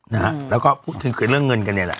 นะฮะแล้วก็พูดถึงคือเรื่องเงินกันเนี่ยแหละ